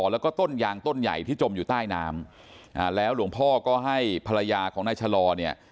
แล้วก็ต้นยางต้นใหญ่ที่จมอยู่ใต้น้ำแล้วหลวงพ่อก็ให้ภรรยาของนายชะลอเนี่ย